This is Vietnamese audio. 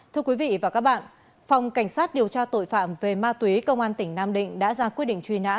thưa quý vị và các bạn phòng cảnh sát điều tra tội phạm về ma túy công an tỉnh nam định đã ra quyết định truy nã